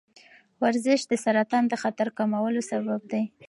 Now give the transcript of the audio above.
ورزش د سرطان د خطر کمولو سبب دی.